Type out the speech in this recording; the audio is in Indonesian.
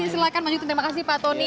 silahkan lanjutkan terima kasih pak tony